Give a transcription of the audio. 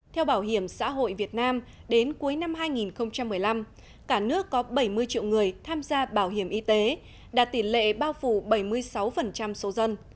theo bảo hiểm xã hội việt nam đến cuối năm hai nghìn một mươi năm cả nước có bảy mươi triệu người tham gia bảo hiểm y tế đạt tỷ lệ bao phủ bảy mươi sáu số dân